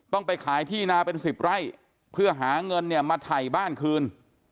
ไปขายที่นาเป็น๑๐ไร่เพื่อหาเงินเนี่ยมาถ่ายบ้านคืน